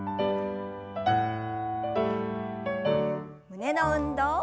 胸の運動。